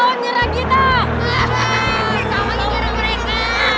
hehehehe sama gara mereka